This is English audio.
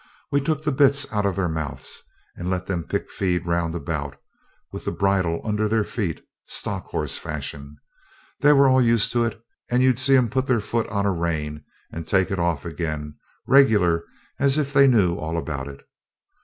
We took the bits out of their mouths, and let them pick feed round about, with the bridle under their feet, stockhorse fashion. They were all used to it, and you'd see 'em put their foot on a rein, and take it off again, regular as if they knew all about it.